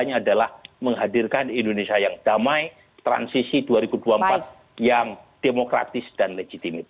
ini adalah menghadirkan indonesia yang damai transisi dua ribu dua puluh empat yang demokratis dan legitimit